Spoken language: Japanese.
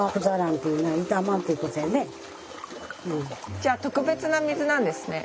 じゃあ特別な水なんですね。